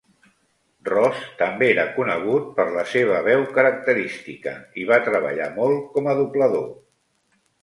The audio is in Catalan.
Ross també era conegut per la seva veu característica i va treballar molt com a doblador.